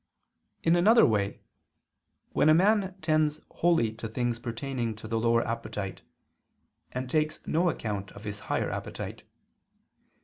In another way, when a man tends wholly to things pertaining to the lower appetite, and takes no account of his higher appetite.